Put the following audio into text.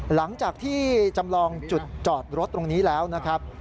หลังจากที่จำลองจุดจอดรถตรงนี้แล้วนะครับ